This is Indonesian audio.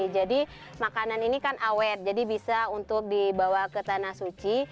jadi makanan ini kan awet jadi bisa untuk dibawa ke tanah suci